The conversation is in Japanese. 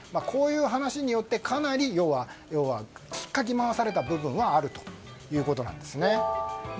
こういう話によってかなり要は引っかき回された部分があるということなんですね。